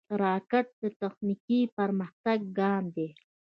راکټ د تخنیکي پرمختګ ګام دی